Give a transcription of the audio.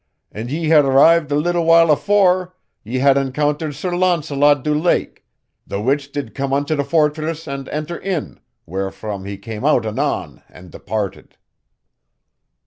"An ye had arrived a little while afore, ye had encountered Sir Launcelot du Lake, the which did come unto the fortress and enter in, wherefrom he came out anon and departed."